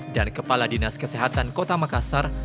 dan kepala dinas kesehatan kota makassar